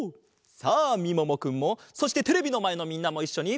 さあみももくんもそしてテレビのまえのみんなもいっしょに！